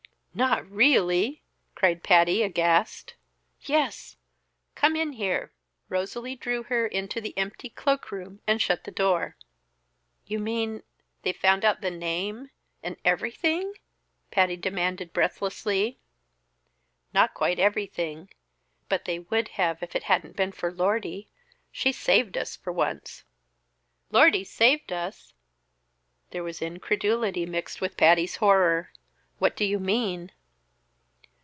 "Not really!" cried Patty, aghast. "Yes! Come in here." Rosalie drew her into the empty cloak room and shut the door. "You mean they've found out the name and everything?" Patty demanded breathlessly. "Not quite everything, but they would have if it hadn't been for Lordy. She saved us for once." "Lordy saved us!" There was incredulity mixed with Patty's horror. "What do you mean?"